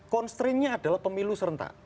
constraintnya adalah pemilu serentak